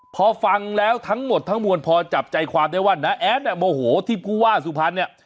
พอฟังแล้วทั้งหมดทั้งมวลพอจับใจความได้ว่าน้าแอดเนี่ยโมโหที่ผู้ว่าสุพรรณเนี่ย